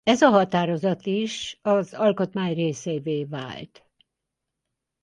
Ez a határozat is az Alkotmány részévé vált.